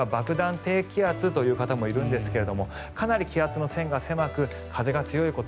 低気圧と言う方もいるんですがかなり気圧の線が狭く風が強いこと。